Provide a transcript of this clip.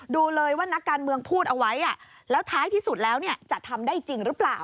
ดูเลยว่านักการเมืองพูดเอาไว้แล้วท้ายที่สุดแล้วจะทำได้จริงหรือเปล่า